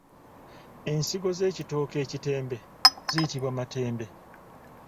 Ensigo z’ekitooke ekitembe ziyitibwa matembe.